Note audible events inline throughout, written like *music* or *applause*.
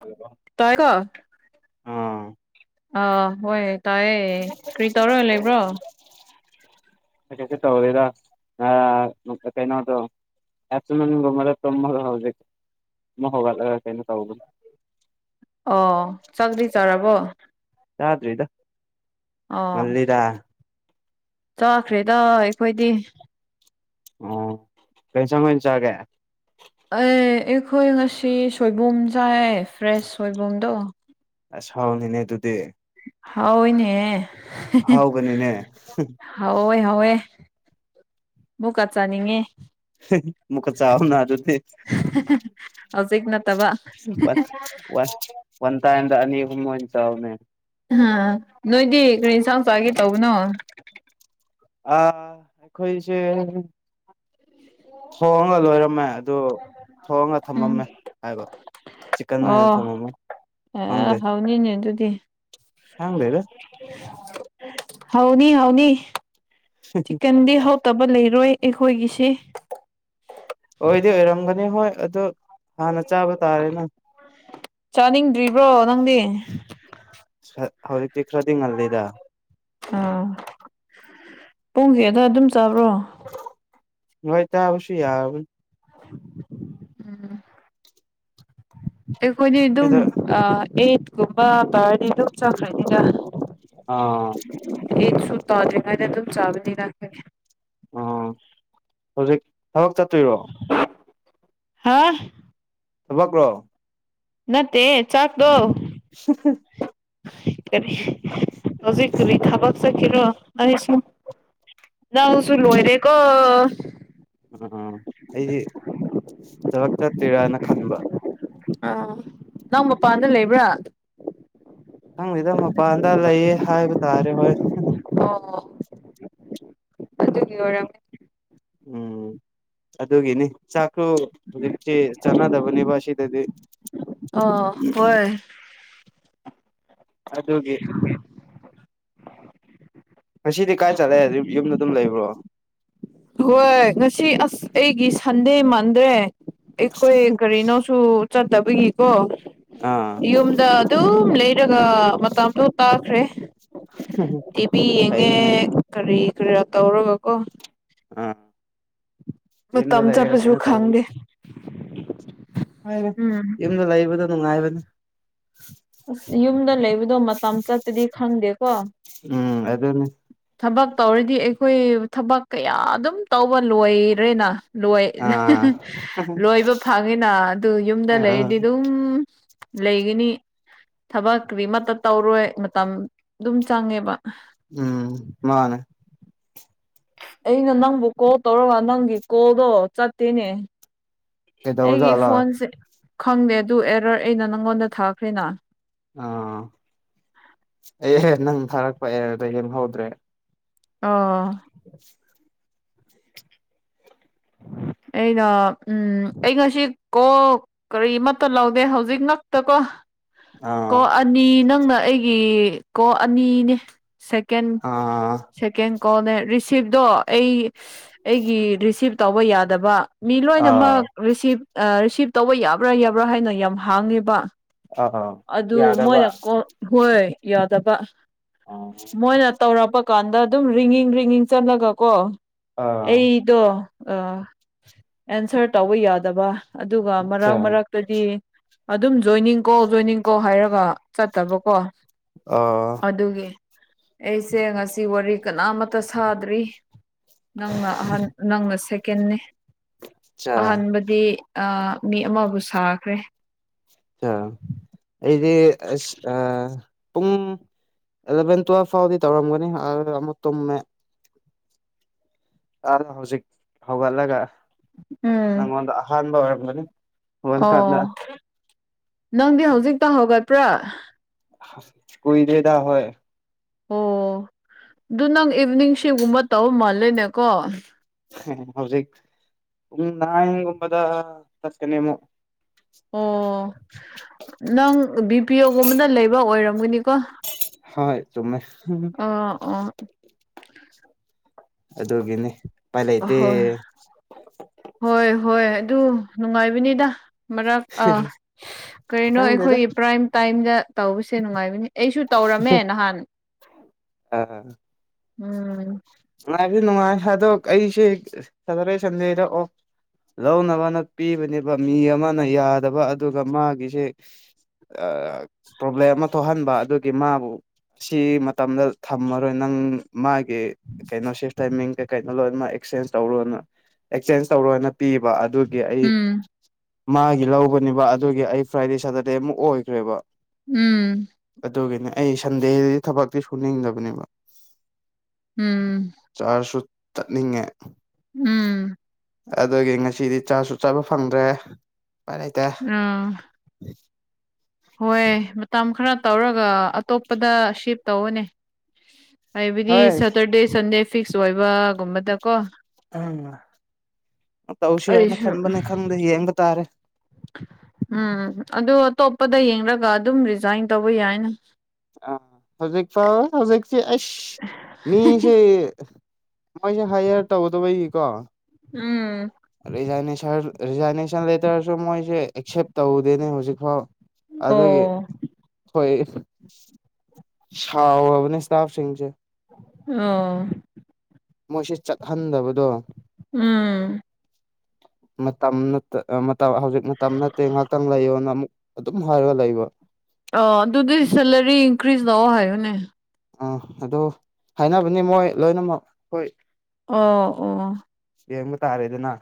hello ꯇꯥꯏ ꯀꯣ ꯑꯥ ꯑꯥ ꯍꯣꯏ ꯇꯥꯏꯑꯦ ꯀꯔꯤ ꯇꯧꯔꯒ ꯂꯩꯕ꯭ꯔꯣ ꯀꯩꯁꯤ ꯇꯧꯕꯗꯗ ꯀꯩꯅꯣ ꯑꯗꯨ ꯑꯦꯐꯇꯅꯒ ꯃꯔ ꯃꯒ ꯀꯩꯅꯩꯅ ꯇ ꯑꯣ ꯆꯪꯗꯤ ꯆꯥꯔꯕꯣ ꯌꯥꯗ꯭ꯔꯔꯤꯗ ꯉꯜꯂꯤꯗ ꯆꯈ꯭ꯔꯦꯗ ꯑꯩꯈꯣꯏꯗꯤ ꯑꯣ ꯀꯩꯁꯪ ꯑꯣꯏꯅ ꯆꯒꯦ ꯑꯦ ꯑꯩꯈꯣꯏ ꯉꯁꯤ ꯁꯣꯏꯕꯨꯝ ꯆꯥꯏ ꯐ꯭ꯔꯦꯁ ꯁꯣꯏꯕꯨꯝꯗꯣ ꯑ ꯍꯥꯎꯅꯤꯅꯦ ꯑꯗꯨꯗꯤ ꯍꯣꯏꯅꯦ ꯍ ꯑꯍꯥꯎꯕꯅꯤꯅꯦ ꯍꯋ ꯃꯨ ꯀ ꯆꯅꯤꯡꯉꯦ ꯃꯨꯀ ꯆꯥꯎꯅꯥ ꯑꯗꯨꯨꯗꯤ ꯍꯧꯖꯤꯛ ꯅꯠꯇꯕ ꯋꯥ ꯑꯣꯟ ꯇ ꯑꯦ ꯑꯅꯤ ꯍ ꯆꯅꯦ ꯑ ꯅꯣꯏꯗꯤ ꯀꯔꯤ ꯏꯟꯁꯥꯡ ꯆꯥꯒꯦ ꯇꯧꯕꯅꯣ ꯑ ꯑꯩꯈꯣꯏꯁꯦ ꯊꯣꯡꯉꯒ ꯂꯣꯏꯔꯝꯃꯦ ꯑꯗꯨ ꯊꯣꯡꯉ ꯊꯝꯃꯝꯃꯦ ꯎꯝ ꯍꯥꯏꯕ ꯆꯤꯛꯀꯟ ꯑꯣꯏꯅ ꯑꯣ ꯊꯝꯃꯝꯃꯦ ꯑ ꯍꯧꯅꯤꯅꯦ ꯑꯗꯨꯗꯤ ꯆꯥꯡꯂꯗ ꯍꯧꯥꯎꯅꯤ ꯍꯥꯎꯅꯤ ꯆꯤꯛꯀꯟꯗꯤ ꯍꯧꯠꯇꯕ ꯂꯩꯔꯣꯏ ꯑꯩꯈꯣꯏꯒꯤꯁꯤ ꯑꯣꯏꯗꯤ ꯑꯣꯏꯔꯝꯒꯅꯤ ꯍꯣꯏ ꯑꯗꯣ ꯍꯥꯟꯅ ꯆꯥꯕ ꯇꯥꯔꯦꯅ ꯆꯥꯅꯤꯡꯗ꯭ꯔꯤꯕ꯭ꯔꯣ ꯅꯪꯗꯤ ꯍꯛꯇ ꯈꯔꯗꯤ ꯉꯜ ꯂꯩꯗ ꯄꯨꯡꯁꯦꯗ ꯑꯗꯨꯝ ꯆꯥꯕ꯭ꯔꯣ ꯍꯣꯏ ꯇ ꯑꯕꯁꯤ ꯌꯥꯕ ꯎꯝ ꯑꯩꯈꯣꯏꯗꯤ ꯑꯗꯨꯝ ꯁꯤꯗ ꯑꯩꯠꯀꯨꯝꯕ ꯥꯔꯗꯤ ꯑꯗꯨꯝ ꯆꯠꯈ꯭ꯔꯅꯤꯗ ꯑꯥ ꯇꯧꯗꯉꯥꯏꯗ ꯑꯗꯨꯝ ꯆꯥꯕꯅꯤ ꯔꯈꯦ ꯑ ꯍꯧꯖꯤꯛ ꯊꯕꯛ ꯆꯠꯇꯣꯏꯔꯣ ꯍꯥ ꯊꯕ ꯀ꯭ꯔꯣ ꯅꯠꯇꯦ ꯆꯥꯛꯀꯗꯣ ꯀ ꯍꯧꯖꯤꯛꯔꯤ ꯊꯥꯕ ꯁ ꯀꯅꯣ ꯑꯁꯨ ꯅꯎꯁꯨ ꯂꯣꯏꯣꯏꯔꯦ ꯀꯣ ꯎꯝ ꯑꯩꯗꯤ ꯊꯕꯛ ꯆꯠꯇꯦꯔꯥꯅ ꯈꯟꯕ ꯑꯥ ꯅꯪ ꯃꯄꯥꯟꯗ ꯂꯩꯕ꯭ꯔꯥ ꯈꯪꯉꯗ ꯃꯄꯥꯟꯗ ꯂꯩꯌꯦ ꯍꯥꯏꯕ ꯇꯥꯔꯦ ꯍꯣꯏ ꯑꯣ ꯑꯗꯨꯒꯤ ꯑꯣꯏꯔꯝꯃꯦ ꯎꯝ ꯑꯗꯨꯒꯤꯅꯤ ꯆꯥꯛꯁꯨ ꯍꯧꯖꯤꯛꯁꯤ ꯆꯥꯟꯅꯗꯕꯅꯦꯕ ꯑꯁꯤꯗꯗꯤ ꯑ ꯍꯣꯏ ꯑꯗꯨꯒꯤ ꯉꯁꯤꯗꯤ ꯀꯥꯏ ꯆꯠꯂꯦ ꯑꯗꯨ ꯌꯨꯝꯗ ꯑꯗꯨꯝ ꯂꯩꯕ꯭ꯔꯣ ꯍꯣꯏ ꯉꯁꯤ ꯑꯁ ꯑꯩꯒꯤ ꯁꯟꯗꯦ ꯃꯥꯟꯗ꯭ꯔꯦ ꯑꯩꯈꯣꯏ ꯀꯔꯤꯅꯣꯁꯨ ꯆꯠꯇꯕꯒꯤꯀꯣ ꯑꯥ ꯌꯨꯝꯗ ꯑꯗꯨꯝ ꯂꯩꯔꯒ ꯃꯇꯝꯗꯣ ꯇꯥꯈ꯭ꯔꯦ ꯇꯤꯚꯤ ꯌꯦꯡꯉꯦ ꯐꯩꯅꯦ ꯀꯔꯤ ꯀꯔꯤ ꯇꯧꯔꯒꯀꯣ ꯎꯥ ꯗ ꯃꯇꯝ ꯂꯥꯛ ꯆꯠꯄꯁꯨ ꯀꯅ ꯊꯗ ꯈꯪꯗꯦ ꯎꯝ ꯂꯥꯛ ꯅꯨꯡꯉꯥꯏꯕꯅꯦ ꯑꯁ ꯌꯨꯝꯗ ꯂꯩꯕꯗꯣ ꯃꯇꯝ ꯆꯠꯄꯗꯤ ꯈꯪꯗꯦꯀꯣ ꯎꯝ ꯑꯗꯨꯗ ꯊꯕꯛ ꯇꯧꯔꯗꯤ ꯑꯩꯈꯣꯏ ꯊꯕꯛ ꯀꯌꯥ ꯑꯗꯨꯝ ꯇꯧꯕ ꯂꯣꯏꯔꯦꯅ ꯂꯣꯏ ꯑꯥ ꯂꯣꯏꯕ ꯐꯪꯉꯤꯅ ꯑꯗꯨ ꯌꯨꯝꯗ ꯑ ꯑꯥ ꯂꯩꯔꯗꯤ ꯑꯗꯨꯝ ꯂꯩꯒꯅꯤ ꯊꯕꯛ ꯀꯔꯤꯃꯠꯇ ꯇꯧꯔꯣꯏ ꯃꯇꯝ ꯑꯗꯨꯝ ꯆꯪꯉꯦꯕ ꯎꯝ ꯃꯥꯅꯦ ꯑꯩꯅ ꯅꯪꯕꯨ ꯀꯣꯜ ꯇꯧꯔꯒ ꯅꯪꯒꯤ ꯀꯣꯜꯗꯣ ꯆꯠꯇꯦꯅꯦ ꯑꯩꯒꯤ ꯀꯩꯗꯧꯔꯖꯥꯠꯂꯥ ꯐꯣꯟꯁꯦ ꯈꯪꯗꯦ ꯑꯗꯨ ꯑꯦꯔꯔ ꯑꯩꯅ ꯅꯪꯉꯣꯟꯗ ꯊꯥꯈ꯭ꯔꯦꯅ ꯑꯥ ꯑꯦ ꯅꯪ ꯊꯥꯔꯛꯄ ꯑꯦꯔꯗ ꯌꯦꯡꯍꯧꯗ꯭ꯔꯦ ꯑꯥ ꯑꯩꯅ ꯎꯝ ꯑꯩ ꯉꯁꯤ ꯀꯣ ꯀꯔꯤ ꯑꯃꯠꯇ ꯂꯧꯗꯦ ꯍꯧꯖꯤꯛ ꯉꯛꯇꯀꯣ ꯑꯥ ꯀꯣ ꯑꯅꯤ ꯅꯪꯅ ꯑꯩꯒꯤ ꯀꯣ ꯑꯅꯤꯅꯦ ꯁꯦꯀꯦꯟ ꯑꯥ ꯁꯦꯀꯦꯟ ꯀꯣꯜꯅꯦ ꯔꯤꯁꯤꯞꯇꯣ ꯑꯩ ꯑꯩꯒꯤ ꯔꯤꯁꯤꯞ ꯇꯧꯕ ꯌꯥꯗꯕ ꯃꯤ ꯑꯥ ꯂꯣꯏꯅꯃꯛ ꯔꯤꯁꯤꯞ ꯔꯤꯁꯤꯞ ꯇꯧꯕ ꯌꯥꯕ꯭ꯔꯥ ꯌꯥꯕ꯭ꯔꯥ ꯍꯥꯏꯅꯣ ꯌꯥꯝ ꯍꯥꯡꯉꯦꯕ ꯑꯥ ꯑꯗꯨ ꯌꯥꯗꯕ ꯃꯣꯏꯅ ꯀ ꯍꯣꯏ ꯐꯕ ꯑꯥ ꯃꯣꯏꯅ ꯇꯧꯔꯛꯄ ꯀꯥꯟꯗ ꯑꯗꯨꯝ ꯔꯤꯉꯡ ꯔꯤꯉꯡ ꯆꯠꯂꯒ ꯀꯣ ꯑꯥ ꯑꯩꯗꯣ ꯑꯦꯟꯁꯔ ꯇꯧꯕ ꯌꯥꯗꯕ ꯑꯗꯨꯒ ꯑꯆꯥ ꯃꯔꯛ ꯃꯔꯛꯇꯗꯤ ꯑꯗꯨꯝ ꯖꯣꯏꯅꯤꯡ ꯀꯣ ꯖꯣꯏꯅꯤꯡ ꯀꯣ ꯍꯥꯏꯔꯒ ꯆꯠꯇꯕꯀꯣ ꯑꯥ ꯑꯗꯨꯒꯤ ꯑꯩꯁꯦ ꯉꯁꯤ ꯋꯥꯔꯤ ꯀꯅꯥꯃꯇ ꯁꯥꯗ꯭ꯔꯤ ꯅꯪꯅ ꯑꯍ ꯅꯪꯅ ꯁꯦꯀꯦꯅꯤ ꯆꯥ ꯑꯍꯥꯟꯕꯗꯤ ꯃꯤ ꯑꯃꯕꯨ ꯁꯥꯈ꯭ꯔꯦ ꯑ ꯏꯗꯤ ꯑ ꯄꯨꯡ ꯑꯦꯂꯚꯦꯟ ꯇꯨꯋꯦꯜꯚ ꯐꯥꯎꯗꯤ ꯇꯧꯔꯝꯒꯅꯤ ꯑꯃꯨꯛ ꯇꯨꯝꯃꯦ ꯑ ꯍꯧꯖꯤꯛ ꯍꯧꯒꯠꯂꯒ ꯎꯝ ꯅꯪꯉꯣꯟꯗ ꯑꯍꯥꯟꯕ ꯑꯣꯏꯔꯝꯕꯅꯤ ꯍꯔꯀꯥꯂ ꯑꯣ ꯅꯪꯗꯤ ꯍꯧꯖꯤꯛꯇ ꯍꯧꯒꯠꯄ꯭ꯔꯥ ꯀꯨꯏ ꯗꯦꯗꯥ ꯍꯣꯏ ꯑꯣ ꯑꯗꯨ ꯅꯪ ꯏꯚꯅꯤꯡ ꯁꯤꯞꯒꯨꯝꯕ ꯇꯧꯔ ꯃꯥꯜꯂꯦꯅꯦꯀꯣ ꯍꯧꯖꯤ ꯎ ꯅꯒꯕꯗ ꯆꯀꯅꯦꯃꯣ ꯑꯣ ꯅꯪ ꯕꯤ ꯄꯤ ꯑꯣꯒꯨꯝꯕꯅ ꯂꯩꯕ ꯑꯣꯏꯔꯝꯒꯅꯤꯀꯣ ꯍꯣꯏ ꯆ ꯑ ꯑꯣ ꯑꯗꯨꯒꯤꯅꯤ ꯎꯄꯥꯏ ꯂꯩꯇꯦ ꯑꯍꯣꯏ ꯍꯣꯏ ꯍꯣꯏ ꯑꯗꯨ ꯅꯨꯡꯉꯥꯏꯕꯅꯤꯗ ꯃꯔꯛ ꯀꯔꯤꯅꯣ ꯈꯪꯗꯦꯗ ꯑꯩꯈꯣꯏꯒꯤ ꯄ꯭ꯔꯥꯏꯝ ꯇꯥꯏꯝꯗ ꯇꯧꯕꯁꯦ ꯅꯨꯡꯉꯥꯏꯕꯅꯤ ꯑꯩꯁꯨ ꯇꯧꯔꯝꯃꯦ ꯅꯍꯥꯟ ꯎꯝ ꯑꯗꯤ ꯅꯅꯨꯡꯉꯥꯏꯗꯣ ꯑꯩꯁꯦ ꯁꯟꯗ ꯑꯣ ꯂꯧꯅꯕꯅ ꯄꯤꯕꯅꯦꯕ ꯃꯤ ꯑꯃꯅ ꯌꯥꯗꯕ ꯑꯗꯨꯒ ꯃꯥꯒꯤꯁꯦ ꯄ꯭ꯔꯣꯕ꯭ꯂꯦꯝ ꯑꯃ ꯊꯣꯛꯍꯟꯕ ꯑꯗꯨꯒꯤ ꯃꯥꯕꯨ ꯑꯁꯤ ꯃꯇꯝꯗ ꯊꯝꯃꯔꯣꯏ ꯅꯪ ꯃꯥꯒꯤ ꯀꯩꯅꯣ ꯁꯤꯐ ꯇꯥꯏꯃꯤꯡ ꯀꯩ ꯀꯩꯅꯣ ꯂꯣꯏꯅꯃꯛ ꯑꯦꯛꯆꯦꯟꯖ ꯇꯧꯔꯣꯅ ꯑꯦꯛꯆꯦꯟꯖ ꯇꯧꯔꯣꯅ ꯄꯤꯕ ꯑꯗꯨ ꯑꯩ ꯎꯝ ꯃꯥꯒꯤ ꯂꯧꯕꯅꯦꯕ ꯑꯗꯨꯒꯤ ꯑꯩ ꯐ꯭ꯔꯥꯏꯗꯦ ꯁꯇꯔꯗꯦ ꯑꯃꯨꯛ ꯑꯣꯏꯈ꯭ꯔꯦꯕ ꯎꯝ ꯑꯗꯨꯗꯒꯅꯦ ꯑꯩ ꯁꯟꯗꯦꯗꯗꯤ ꯊꯕꯛꯇꯤ ꯁꯨꯅꯤꯡꯗꯕꯅꯦꯕ ꯎꯝ ꯆꯥꯔꯖꯁꯨ ꯆꯠꯅꯤꯡꯉꯦ ꯎꯝ ꯑꯗꯨꯒꯤ ꯉꯁꯤꯗꯤ ꯆꯥꯁꯨ ꯆꯥꯕ ꯐꯪꯗ꯭ꯔꯦ ꯏꯄꯥꯏ ꯂꯩꯇꯦ ꯑꯥ ꯍꯣꯏ ꯃꯇꯝ ꯈꯔ ꯇꯧꯔꯒ ꯑꯇꯣꯞꯄꯗ ꯁꯤꯞ ꯇꯧꯔꯅꯦ ꯍꯥꯏꯕꯗꯤ ꯍꯣꯏ ꯁꯦꯇꯔꯗꯦ ꯁꯟꯗꯦ ꯐꯤꯛꯁ ꯑꯣꯏꯕꯒꯨꯝꯕꯗ ꯎꯝ ꯇꯧꯁꯤꯔꯣꯅ ꯑꯩꯁꯨ ꯈꯟꯕꯅꯤ ꯈꯪꯗꯦ ꯌꯦꯡꯕ ꯇꯥꯔꯦ ꯎꯝ ꯑꯗꯨ ꯑꯇꯣꯞꯄꯗ ꯌꯦꯡꯂꯡꯒ ꯑꯗꯨꯝ ꯔꯤꯖꯥꯏꯟ ꯇꯧꯕ ꯌꯥꯏꯅ ꯑ ꯍꯧꯖꯤꯛ ꯐ ꯍꯧꯖꯤꯛꯁꯤ ꯑꯁ ꯃꯤꯁꯦ ꯃꯣꯏꯁꯦ ꯍꯥꯏꯌꯦꯔ ꯇꯧꯒꯗꯧꯕꯩꯒꯤꯀꯣ ꯎꯝ ꯔꯤꯖꯥꯏꯅꯦꯁꯟ ꯂꯦꯇꯔꯁꯨ ꯃꯣꯏꯁꯦ ꯑꯦꯛꯁꯦꯞ ꯇꯧꯗꯦꯅꯦ ꯍꯧꯖꯤꯛꯐꯥꯎ ꯑꯗꯨꯗꯒꯤ ꯑꯣ ꯍꯣꯏ ꯁꯥꯎꯕꯅꯤꯁꯇꯥꯕꯁꯤꯡ ꯑꯣ ꯃꯣꯏꯁꯤ ꯆꯠꯍꯟꯗꯕꯗꯣ ꯎꯝ *unintelligible* ꯃꯇꯝ ꯍꯧꯖꯤꯛ ꯃꯇꯝ ꯅꯠꯇꯦ ꯉꯥꯏꯍꯥꯛꯇꯪ ꯂꯩꯌꯣꯅ ꯑꯃꯨꯛ ꯑꯗꯨꯝ ꯍꯥꯏꯔꯒ ꯂꯩꯕ ꯑ ꯑꯗꯨꯗꯤ ꯁꯦꯂꯔꯤ ꯏꯟꯀ꯭ꯔꯤꯖ ꯇꯧꯑꯣ ꯍꯥꯏꯌꯨꯅꯦ ꯑꯥ ꯑꯗꯨ ꯍꯥꯏꯅꯕꯅꯤ ꯃꯣꯏ ꯂꯣꯏꯅꯃꯛ ꯍꯣꯏ ꯑꯣ ꯑꯣ ꯌꯦꯡꯕ ꯇꯥꯔꯦꯗꯅ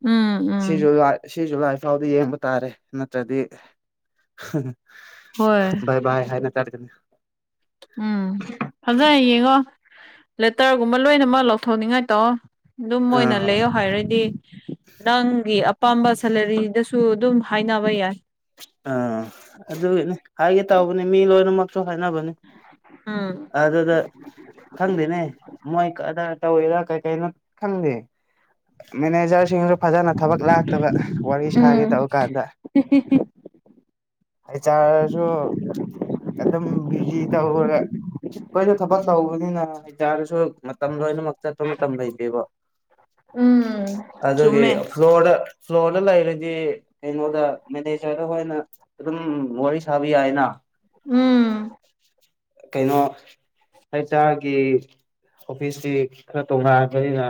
ꯎꯝ ꯁꯤ ꯎꯝ ꯖꯨꯂꯥꯏ ꯁꯤ ꯖꯨꯂꯥꯏ ꯐꯥꯎꯗ ꯌꯦꯡꯕ ꯇꯥꯔꯦ ꯅꯠꯇ꯭ꯔꯗꯤ ꯍꯣꯏ ꯏ ꯏ ꯍꯥꯏ ꯅ ꯇꯥꯔꯗ ꯎꯝ ꯐꯝꯖꯔ ꯌꯦꯡꯉꯣ ꯂꯦꯇꯔꯒꯨꯝꯕ ꯂꯣꯏꯅꯃꯛ ꯂꯧꯊꯣꯛꯅꯤꯡꯉꯥꯏ ꯇꯧꯑꯣ ꯑꯗꯨꯝ ꯑꯣꯏꯅ ꯑꯥ ꯂꯩꯌꯣ ꯍꯥꯏꯔꯗꯤ ꯅꯪꯒꯤ ꯑꯄꯥꯝꯕ ꯁꯦꯂꯔꯤꯗꯁꯨ ꯑꯗꯨꯝ ꯍꯥꯏꯅꯕ ꯌꯥꯏ ꯑꯥ ꯑꯗꯨꯒꯤꯅꯤ ꯍꯥꯏꯒꯦ ꯇꯧꯕꯅꯤ ꯃꯤ ꯂꯣꯏꯅꯃꯛꯁꯨ ꯍꯥꯏꯅꯕꯅꯤ ꯎꯝ ꯑꯗꯨꯗ ꯈꯪꯗꯦꯅꯦ ꯃꯣꯏ ꯑꯗꯥ ꯗ ꯀꯥꯏ ꯀꯥꯏꯩꯅ ꯈꯪꯗꯦ ꯃꯦꯅꯦꯖꯔꯁꯤ ꯐꯖꯅ ꯊꯕꯛ ꯂꯥꯛꯇꯕ ꯋꯥꯔꯤ ꯁꯥꯒꯦ ꯎꯝ ꯇꯧ ꯀꯥꯟꯗ ꯑꯩ ꯆꯥꯔꯁꯨ ꯑꯗꯨꯝ ꯕꯤꯖꯤ ꯇꯧꯔꯒ ꯑꯩꯈꯣꯏꯁꯨ ꯊꯕꯛ ꯇꯧꯕꯅꯤꯅ ꯍꯥꯏꯇꯥꯔꯁꯨ ꯃꯇꯝ ꯂꯣꯏꯅꯃꯛ ꯆꯠꯄ ꯃꯇꯝ ꯂꯩꯇꯦꯕ ꯎꯝ ꯑꯗꯨꯒꯤ ꯆꯨꯝꯃꯦ ꯐ꯭ꯂꯣꯔꯗ ꯁ꯭ꯂꯣ ꯂꯩꯔꯗꯤ ꯀꯩꯅꯣꯗ ꯃꯅꯦ ꯗ ꯈꯣꯏꯅ ꯑꯗꯨꯝ ꯋꯥꯔꯤ ꯁꯥꯕ ꯌꯥꯏꯅ ꯎꯝ ꯀꯩꯅꯣ ꯑꯩꯆꯥꯥꯒꯤ ꯑꯣꯐꯤꯁꯁꯤ ꯈꯔ ꯇꯣꯉꯥꯟꯕꯅꯤꯅ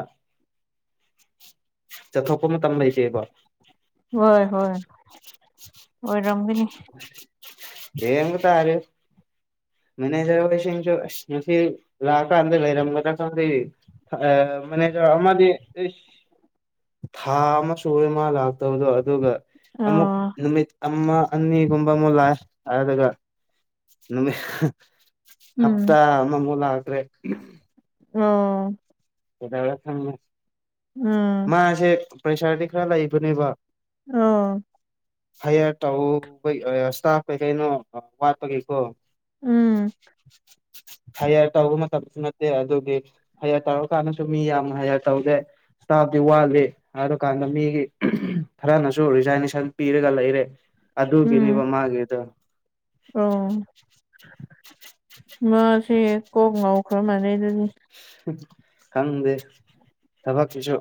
ꯆꯊꯣꯛꯄ ꯃꯇꯝ ꯂꯩꯁꯤꯕ ꯍꯣꯏ ꯍꯣꯏ ꯑꯣꯏꯔꯝꯒꯅꯤ ꯌꯦꯉ ꯇꯥꯔ ꯃ ꯂꯥꯛꯑꯀ ꯑꯗ ꯂꯩꯔ ꯑ ꯃꯅꯤ ꯑꯃꯗꯤ ꯊꯥ ꯑꯃ ꯁꯨꯔꯦ ꯃꯥ ꯂꯥꯛꯇꯕꯗꯣ ꯑꯗꯨꯒ ꯑꯃꯨꯛ ꯑꯥ ꯅꯨꯃꯤꯠ ꯑꯃ ꯑꯅꯤꯒꯨꯝꯕ ꯑꯃꯨꯛ ꯂꯥꯛ ꯍꯥꯏꯔꯒ ꯎꯝ ꯍꯞꯇꯥ ꯃꯃꯨꯂ ꯍꯥꯏꯗ꯭ꯔꯦ ꯑꯣꯝ ꯀꯗ ꯈꯪꯉ ꯎꯝ ꯃꯥꯁꯦ ꯄ꯭ꯔꯦꯁꯥꯔꯗꯤ ꯈꯔ ꯂꯩꯕꯅꯦꯕ ꯑꯝ ꯍꯥꯏꯌꯥꯔ ꯇꯩ ꯏꯁꯇꯥꯐ ꯀꯩ ꯀꯩꯅꯣ ꯋꯥꯠꯄꯒꯤꯀꯣ ꯎꯝ ꯍꯥꯏꯌꯥ ꯇꯧꯕ ꯃꯇꯝꯁꯨ ꯅꯠꯇꯦ ꯑꯗꯨꯒꯤ ꯍꯌꯥꯔ ꯇꯥꯎꯔ ꯀꯥꯟꯅꯁꯨ ꯃꯤ ꯌꯥꯝꯅ ꯍꯥꯏꯌꯔ ꯇꯧꯗꯦ ꯏꯁꯇꯥꯐꯇꯤ ꯋꯥꯠꯂꯤ ꯑꯗꯨ ꯀꯥꯟꯗ ꯃꯤꯒꯤ ꯈꯔꯅꯁꯨ ꯔꯤꯖꯥꯏꯅꯦꯁꯟ ꯄꯤꯔꯒ ꯂꯩꯔꯦ ꯎꯝ ꯑꯗꯨꯒꯤꯅꯦꯕ ꯃꯥꯒꯤꯗꯣ ꯑꯣ ꯃꯥꯁꯦ ꯀꯣꯛ ꯉꯧꯈ꯭ꯔ ꯃꯥꯟꯅꯩ ꯑꯗꯨꯗꯤ ꯈꯪꯗꯦ ꯊꯕꯛꯀꯤꯁꯨ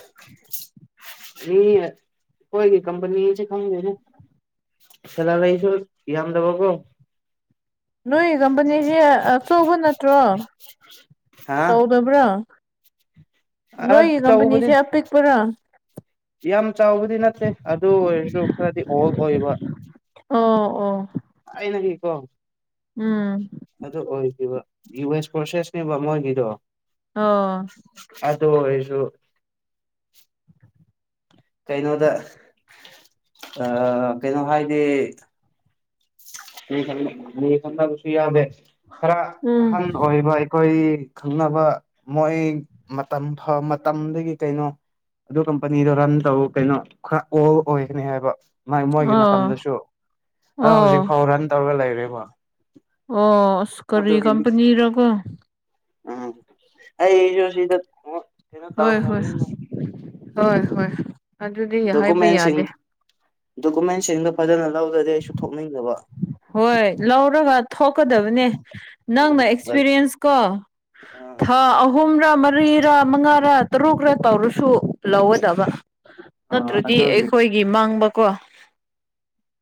*inaudible* *inaudible* ꯏ ꯍꯣꯏꯒꯤ ꯀꯝꯄꯅꯤ ꯆ ꯈꯪꯗꯦꯅꯦ ꯁꯗꯁꯨ ꯀ ꯌꯥꯝꯗꯕ ꯀꯣ ꯅꯣꯏ ꯀꯝꯄꯅꯤꯁꯦ ꯑꯆꯧꯕ ꯅꯠꯇ꯭ꯔꯣ ꯍꯥ ꯆꯥꯎꯧꯗꯕ꯭ꯔꯥ ꯅꯣꯏ ꯑꯆꯧꯕꯗꯤ ꯀꯄꯅꯤꯦꯄꯦꯛ ꯄꯨꯔꯥ ꯌꯥꯝ ꯆꯥꯎꯕꯗꯤ ꯅꯠꯇꯦ ꯑꯗꯨ ꯑꯣꯏꯔꯁꯨ ꯈꯔꯗꯤ ꯑꯣꯍꯛ ꯑꯣꯏꯕ ꯑꯣ ꯑꯣ ꯅ ꯀꯣ ꯎꯝ ꯑꯗꯨ ꯑꯣꯏꯔꯤꯕ ꯌꯨ ꯑꯦꯁ ꯐꯣꯔꯁꯦꯁꯅꯦꯕ ꯃꯣꯏꯒꯤꯗꯣ ꯑꯣ ꯁꯨ ꯀꯩꯅꯣꯗ ꯑ ꯀꯩꯅꯣ ꯍꯥꯏꯗꯤ ꯈ ꯃꯤ ꯈꯪꯗꯕꯁꯨ ꯌꯥꯗꯦ ꯈꯔ ꯎꯝ ꯑꯍꯟ ꯑꯣꯏꯕ ꯑꯩꯈꯣꯏ ꯈꯪꯅꯕ ꯃꯣꯏ ꯃꯇꯝ ꯃꯇꯝꯗꯒꯤ ꯀꯩꯅꯣ ꯑꯗꯨ ꯀꯝꯄꯅꯤꯗꯣ ꯔꯟ ꯇꯧ ꯀꯩꯅꯣ ꯈꯔ ꯑꯣꯜ ꯑꯣꯏꯒꯅꯤ ꯍꯥꯏꯕ ꯃꯣꯏꯒꯤ ꯑꯣ ꯃꯇꯝꯗꯁꯨ ꯑꯗꯣ ꯍꯧꯖꯤꯛ ꯑꯣ ꯐꯥꯎ ꯔꯟ ꯇꯧꯔꯒ ꯂꯩꯔꯦꯀꯣ ꯑꯣꯁ ꯀꯔꯤ ꯀꯝꯄꯅꯤꯔꯀꯣ ꯑ ꯑꯩꯁꯨ ꯁꯤꯗ ꯀꯩꯅꯣ ꯍꯣꯏ ꯍꯣꯏ ꯇꯧꯔꯕꯅꯤꯅ ꯍꯣꯏ ꯍꯣꯏ ꯑꯗꯨꯗꯤ ꯍꯥꯏꯕ ꯗꯣꯀꯨꯃꯦꯟꯁꯤꯡ ꯌꯥꯗꯦ ꯗꯣꯀꯨꯃꯦꯟꯁꯤꯡꯗꯣ ꯐꯖꯅ ꯂꯧꯗꯔꯦ ꯑꯩꯁꯨ ꯊꯣꯛ ꯍꯣꯏ ꯂꯧꯔꯒ ꯊꯣꯛꯀꯗꯕꯅꯦ ꯎꯝ ꯅꯪꯅ ꯑꯦꯛꯁꯄꯤꯔꯤꯌꯦꯟꯁ ꯀꯣ ꯊ ꯑꯍꯨꯝ ꯆꯝꯔ ꯃꯔꯤꯔꯥ ꯃꯉꯥꯔꯥ ꯇꯔꯨꯛꯔ ꯇꯧꯔꯁꯨ ꯂꯧꯒꯗꯕ ꯑꯥ ꯅꯠꯇ꯭ꯔꯗꯤ ꯑꯗꯨꯒꯤ ꯑꯩꯈꯣꯏꯒꯤ ꯃꯥꯡꯕꯀꯣ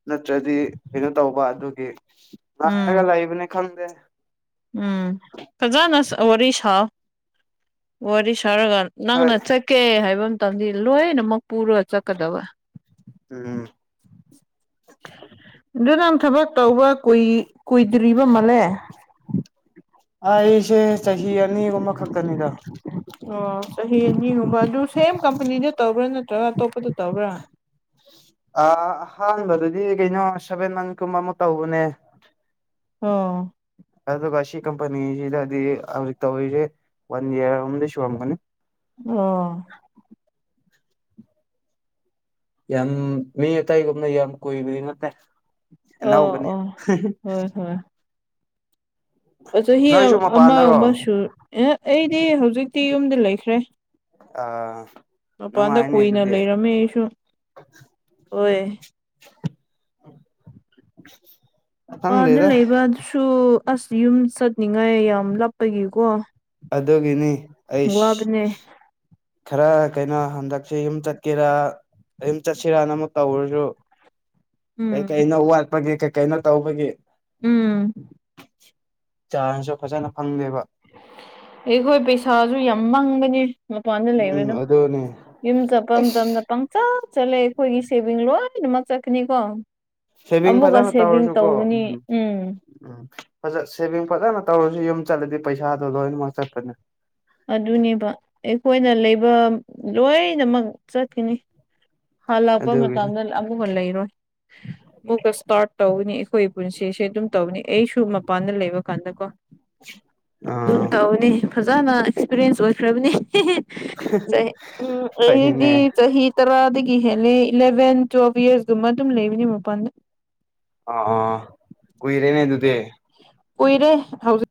ꯅꯠꯇ꯭ꯔꯗꯤ ꯀꯩꯅꯣ ꯇꯧꯕ ꯑꯗꯨꯒꯤ ꯎꯝ ꯉꯥꯏꯔꯒ ꯂꯩꯕꯅꯤ ꯈꯪꯗꯦ ꯎꯝ ꯈꯖꯅꯁ ꯋꯥꯔꯤꯔꯤꯁ ꯍꯥꯎ ꯋꯥꯔꯤꯁ ꯈꯔꯒ ꯍꯣꯏ ꯅꯪꯅ ꯆꯠꯀꯦ ꯍꯥꯏꯕ ꯃꯇꯝꯗꯤ ꯂꯣꯏꯅꯃꯛ ꯄ ꯄꯨꯔꯣ ꯆꯀꯗꯕ ꯎꯝ ꯑꯗꯨ ꯅ ꯊꯕꯛ ꯇꯧꯕ ꯀꯨꯏ ꯑꯗꯨꯣ ꯏꯕ ꯃꯂꯦ ꯑꯩ ꯑꯩꯁꯦ ꯆꯍꯤ ꯑꯅꯤꯒꯨꯝꯕ ꯈꯛꯇꯅꯤꯗ ꯑꯣ ꯆꯍꯤ ꯑꯅꯤꯒꯨꯝꯕ ꯑꯗꯨ ꯁꯦꯝ ꯀꯝꯄꯅꯤꯗ ꯇꯧꯕ꯭ꯔꯥ ꯅꯠꯇ꯭ꯔꯒ ꯑꯇꯣꯞꯄꯗ ꯇꯧꯕ꯭ꯔꯥ ꯑ ꯑꯍꯥꯟꯕꯗꯗꯤ ꯀꯩꯅꯣ ꯁꯚꯦꯟ ꯃꯟ ꯀꯨꯝꯕ ꯑꯃꯨꯛ ꯇꯧꯕꯅꯦ ꯑꯣ ꯑ ꯀꯝꯄꯅꯤꯁꯤꯗꯤꯦ ꯋꯥꯟ ꯏꯔꯁꯨ ꯑꯃꯒꯅꯤ ꯑꯣ ꯌꯥꯝ ꯃꯤ ꯑꯇꯇꯩꯒꯨꯝꯅ ꯌꯥꯝ ꯀꯨꯏꯕꯗꯤ ꯅꯠꯇꯦ ꯑꯣ ꯅꯎꯕꯅꯤ ꯑꯣ ꯍꯣꯏ ꯍꯣꯏ ꯆꯍꯤ ꯅꯣꯏꯁꯨ ꯃꯄꯥꯟꯗꯔꯣ ꯑꯃꯒꯕ ꯁ ꯑꯦ ꯑꯩꯗꯤ ꯍꯧꯖꯤꯛꯇꯤ ꯌꯨꯝꯗ ꯂꯩꯈ꯭ꯔꯦ ꯑꯥ ꯃ ꯄꯥꯟꯗ ꯅꯨꯡꯉꯥꯏꯅꯤ ꯀꯨꯏꯅ ꯑꯗꯨꯗꯤ ꯂꯩꯔꯝꯃꯦꯁꯨ ꯍꯣꯏ *unintelligible* ꯄꯥꯟꯗ ꯈꯪꯗꯦꯗ ꯂꯩꯕꯁꯨ ꯑꯁ ꯌꯨꯝ ꯆꯠꯅꯤꯡꯉꯥꯏ ꯌꯥꯝ ꯂꯥꯞꯄꯒꯤꯀꯣ ꯑꯗꯨꯒꯤꯅꯤ ꯑꯩ ꯋꯥꯕꯅꯦ ꯈꯔ ꯀꯩꯅꯣ ꯍꯟꯗꯛ ꯁꯤ ꯌꯨꯝ ꯆꯠꯀꯦꯔ ꯌꯨꯝ ꯆꯠꯁꯤꯔꯅ ꯑꯃꯨꯛ ꯇꯧꯔꯁꯨ ꯀꯩ ꯎꯝ ꯀꯩꯅꯣ ꯋꯥꯠꯄꯒꯤꯦ ꯀꯩꯀꯩꯅꯣ ꯇꯧꯕꯒꯤꯦ ꯎꯝ ꯆꯥꯟꯁꯁꯨ ꯐꯖꯅ ꯐꯪꯗꯦꯕ ꯑꯩꯈꯣꯏ ꯄꯩꯁꯥꯁꯨ ꯌꯥꯝ ꯃꯪꯕꯅꯦ ꯃꯄꯥꯟꯗ ꯎꯝ ꯂꯩꯕꯅꯨ ꯑꯗꯨꯅꯦ ꯌꯨꯝ ꯆ ꯄꯝ ꯆꯝ ꯆ ꯄꯪꯆ ꯆꯠꯂꯦ ꯑꯩꯈꯣꯏꯒꯤ ꯁꯦꯚꯤꯡ ꯂꯣꯏꯅ ꯑꯃ ꯆꯠꯀꯅꯤꯀꯣ ꯁꯦꯚꯤꯡ ꯑꯃꯨꯛꯀ ꯐꯖꯅ ꯁꯦꯚꯤꯡ ꯇꯧꯔꯁꯨ ꯀꯣ ꯎꯝ ꯇꯧꯒꯅꯤ ꯎꯝ ꯎꯝ ꯐꯖ ꯁꯦꯚꯤꯡ ꯐꯖꯅ ꯇꯧꯔꯁꯨ ꯌꯨꯝ ꯆꯠꯂꯗꯤ ꯄꯩꯁꯥꯗꯣ ꯂꯣꯏꯅꯃꯛ ꯆꯠꯄꯅꯦ ꯑꯗꯨꯅꯦꯕ ꯑꯩꯈꯣꯏꯅ ꯂꯩꯕ ꯂꯣꯏꯅꯃꯛ ꯆꯠꯈꯤꯅꯤ ꯍꯜꯂꯛꯄ ꯃꯇꯝꯗ ꯑꯃꯕ ꯂꯩꯔꯣꯏ ꯎ ꯃꯨꯛꯀ ꯏꯁꯇꯥꯔꯠ ꯇꯧꯅꯤ ꯑꯩꯈꯣꯏ ꯄꯨꯟꯁꯤꯁꯦ ꯑꯗꯨꯝ ꯇꯧꯅꯤ ꯑꯩꯁꯨ ꯃꯄꯥꯟꯗ ꯂꯩꯕ ꯀꯥꯟꯗꯀꯣ ꯑꯗꯨꯝ ꯑꯥ ꯇꯧꯅꯤ ꯐꯖꯅ ꯑꯦꯛꯁꯄꯤꯔꯤꯌꯦꯟꯁ ꯑꯣꯏꯈ꯭ꯔꯕꯅꯦ ꯆ ꯐꯩꯅꯦ ꯎꯝꯗꯤ ꯆꯍꯤꯍꯤ ꯇꯔ ꯀꯤ ꯍꯦꯜꯂꯦ ꯏꯂꯦꯚꯦꯟ ꯇꯨꯋꯦꯜꯕ ꯌꯔꯁꯀꯨꯝꯕ ꯑꯗꯨꯝ ꯂꯩꯕꯅꯦ ꯃꯄꯥꯟꯗ ꯑꯥ ꯀꯨꯏꯔꯦꯅꯦ ꯑꯗꯨꯗꯤ ꯀꯨꯏꯔꯦ ꯍꯧꯖꯤ